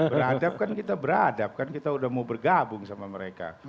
beradab kan kita beradab kan kita udah mau bergabung sama mereka